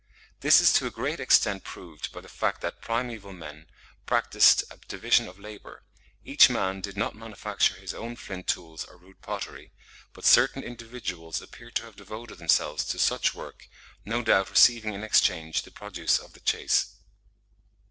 This is to a great extent proved by the fact that primeval men practised a division of labour; each man did not manufacture his own flint tools or rude pottery, but certain individuals appear to have devoted themselves to such work, no doubt receiving in exchange the produce of the chase.